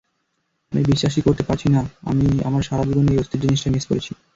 আমি বিশ্বাসই করতে পারছি না আমি আমার সারাজীবনে এই অস্থির জিনিসটা মিস করেছি।